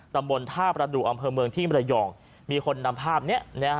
ตำบลท่าประดูกอำเภอเมืองที่มรยองมีคนนำภาพนี้